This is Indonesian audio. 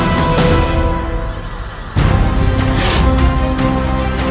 lelaki sen plananya